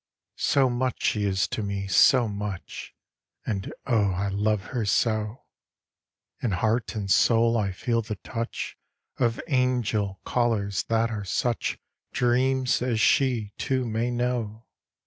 So much she is to me, so much, And, oh, I love her so, In heart and soul I feel the touch Of angel callers, that are such Dreams as she, too, may know.